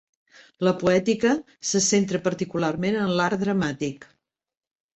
La "Poètica" se centra particularment en l'art dramàtic.